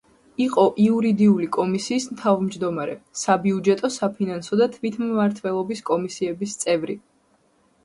იყო იურდიული კომისიის თავმჯდომარე, საბიუჯეტო-საფინანსო და თვითმმართველობის კომისიების წევრი.